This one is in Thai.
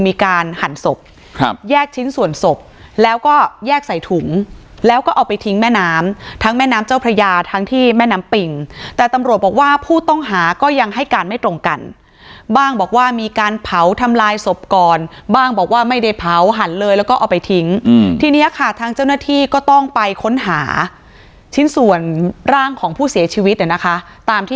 มีการหั่นศพครับแยกชิ้นส่วนศพแล้วก็แยกใส่ถุงแล้วก็เอาไปทิ้งแม่น้ำทั้งแม่น้ำเจ้าพระยาทั้งที่แม่น้ำปิงแต่ตำรวจบอกว่าผู้ต้องหาก็ยังให้การไม่ตรงกันบ้างบอกว่ามีการเผาทำลายศพก่อนบ้างบอกว่าไม่ได้เผาหั่นเลยแล้วก็เอาไปทิ้งทีเนี้ยค่ะทางเจ้าหน้าที่ก็ต้องไปค้นหาชิ้นส่วนร่างของผู้เสียชีวิตเนี่ยนะคะตามที่